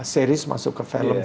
series masuk ke film